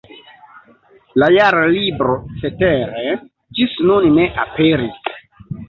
La Jarlibro cetere ĝis nun ne aperis.